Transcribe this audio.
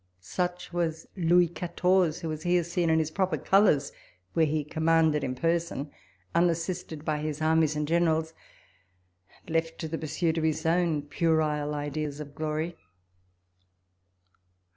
Such was Louis Quatox ze, who is here seen in his proper colours, where he commanded in person, unassisted by his armies and generals, and left to the pursuit of his own puerile ideas of glory.